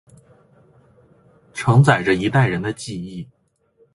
承载着一代人的记忆